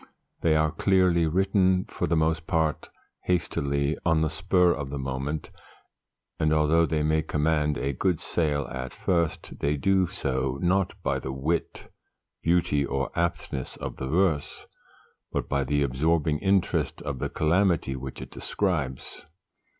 They are clearly written, for the most part hastily, on the spur of the moment; and though they may command a good sale at first, they do so not by the wit, beauty, or aptness of the verse, but by the absorbing interest of the calamity which it describes.